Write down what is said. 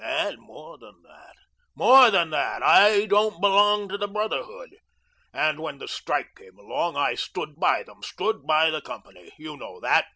And more than that, more than that, I don't belong to the Brotherhood. And when the strike came along, I stood by them stood by the company. You know that.